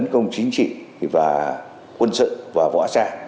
công chính trị và quân sự và võ xã